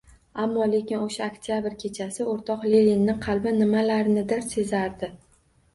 Ammo-lekin o‘sha Oktyabr kechasi o‘rtoq Leninni qalbi nimalarnidir sezadi.